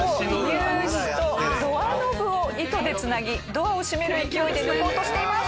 乳歯とドアノブを糸でつなぎドアを閉める勢いで抜こうとしています。